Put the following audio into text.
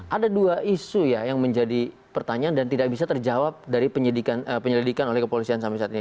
ada dua isu yang menjadi pertanyaan dan tidak bisa terjawab dari penyelidikan oleh kepolisian sama sama